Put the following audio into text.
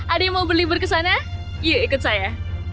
ada yang mau beli berkesana yuk ikut saya